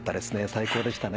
最高でしたね。